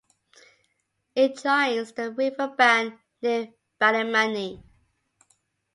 It joins the River Bann near Ballymoney.